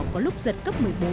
có lúc giật cấp một mươi bốn